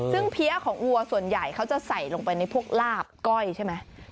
ซึ่งเพี้ยของวัวส่วนใหญ่เขาจะใส่ลงไปในพวกลาบก้อยใช่ไหม